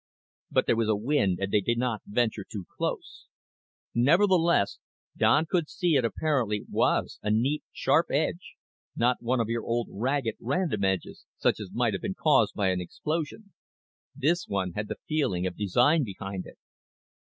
But there was a wind and they did not venture too close. Nevertheless, Don could see that it apparently was a neat, sharp edge, not one of your old ragged, random edges such as might have been caused by an explosion. This one had the feeling of design behind it.